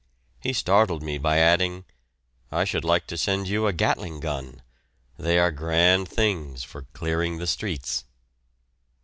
He startled me by adding, "I should like to send you a Gatling gun; they are grand things for clearing the streets."